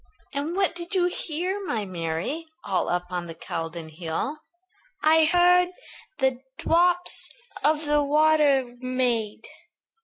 "And what did you hear, my Mary, All up on the Caldon hill?" "I heard the drops of the water made.